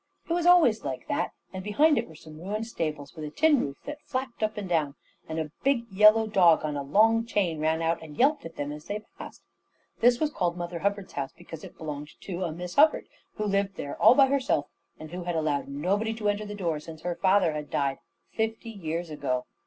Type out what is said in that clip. It was always like that, and behind it were some ruined stables, with a tin roof that flapped up and down; and a big yellow dog on a long chain ran out and yelped at them as they passed. This was called Mother Hubbard's house, because it belonged to a Miss Hubbard who lived there all by herself, and who had allowed nobody to enter the door since her father had died fifty years ago.